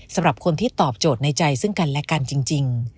สำหรับคนที่ตอบโจทย์ในใจซึ่งกันและกันจริง